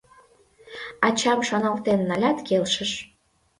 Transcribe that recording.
Ачам шоналтен налят, келшыш.